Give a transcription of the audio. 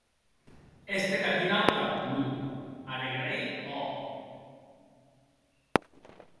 Èster capinauta?, non; arregrair, òc.